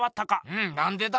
うんなんでだ？